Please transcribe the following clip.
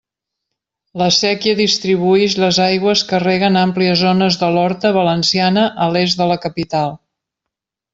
La séquia distribuïx les aigües que reguen àmplies zones de l'horta valenciana a l'est de la capital.